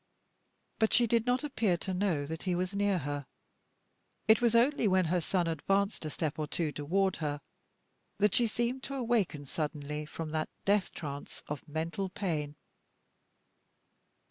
but she did not appear to know that he was near her. It was only when her son advanced a step or two toward her that she seemed to awaken suddenly from that death trance of mental pain.